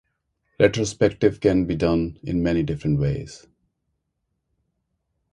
Retrospective can be done in many different ways.